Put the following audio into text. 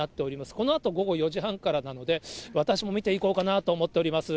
このあと、午後４時半からなので、私も見ていこうかなと思っております。